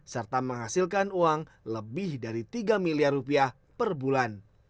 serta menghasilkan uang lebih dari tiga miliar rupiah per bulan